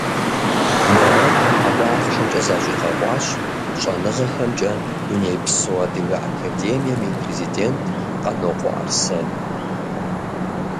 Мы гъэм абы ахъшэкӏэ защӏигъэкъуащ Щӏэныгъэхэмкӏэ Дунейпсо Адыгэ Академием и президент Къанокъуэ Арсен.